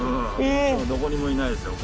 どこにもいないですよ。